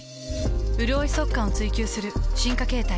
うるおい速乾を追求する進化形態。